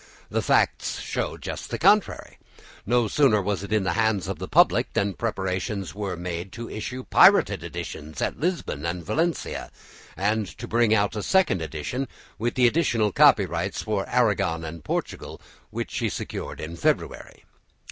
The facts show just the contrary. No sooner was it in the hands of the public than preparations were made to issue pirated editions at Lisbon and Valencia, and to bring out a second edition with the additional copyrights for Aragon and Portugal, which he secured in February.